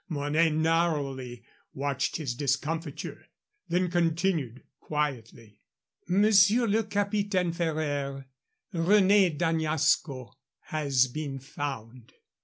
Mornay narrowly watched his discomfiture; then continued, quietly: "Monsieur le Capitaine Ferraire, René d'Añasco has been found.